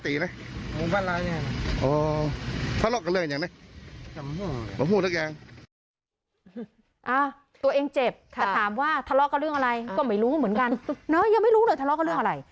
ตัวเองเจ็บแต่ถามว่าทะเลาะกับเรื่องอะไรก็ไม่รู้เหมือนกันยังไม่รู้เลยทะเลาะกับเรื่องอะไร